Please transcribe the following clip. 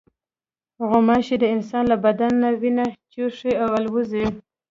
غوماشې د انسان له بدن نه وینه چوشي او الوزي.